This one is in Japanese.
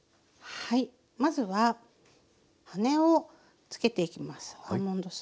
まずは羽をつけていきます。